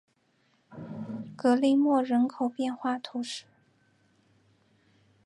格里莫人口变化图示